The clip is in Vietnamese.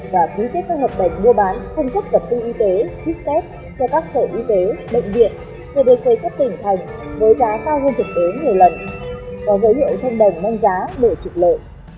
và ký kết các hợp định mua bán không cấp tập tư y tế tít xét cho các sở y tế bệnh viện cdc các tỉnh thành với giá cao hơn thực tế nhiều lần và dấu hiệu thông đồng mang giá đổi trục lợi